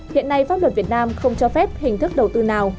hiện nay pháp luật việt nam không cho phép hình thức đầu tư nào